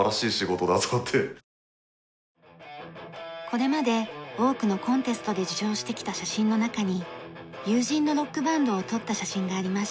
これまで多くのコンテストで受賞してきた写真の中に友人のロックバンドを撮った写真がありました。